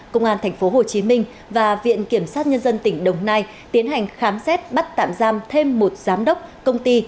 công an tp hcm và viện kiểm sát nhân dân tỉnh đồng nai tiến hành khám xét bắt tạm giam thêm một giám đốc công ty